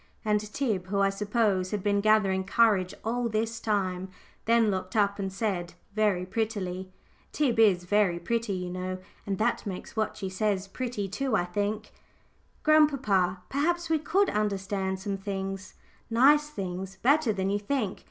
And Tib, who, I suppose, had been gathering courage all this time, then looked up, and said very prettily Tib is very pretty, you know, and that makes what she says pretty too, I think "Grandpapa, perhaps we could understand some things nice things better than you think.